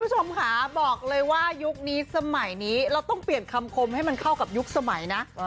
คุณผู้ชมค่ะบอกเลยว่ายุคนี้สมัยนี้เราต้องเปลี่ยนคำคมให้มันเข้ากับยุคสมัยนะ